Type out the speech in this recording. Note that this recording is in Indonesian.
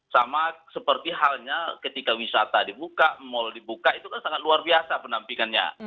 sama seperti halnya ketika wisata dibuka mal dibuka itu kan sangat luar biasa penampingannya